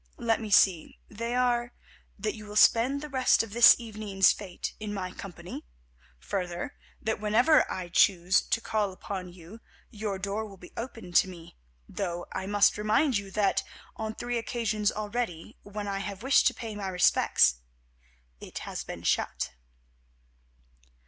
Let me see, they are—that you will spend the rest of this evening's fete in my company. Further, that whenever I choose to call upon you, your door will be open to me, though I must remind you that, on three occasions already, when I have wished to pay my respects, it has been shut."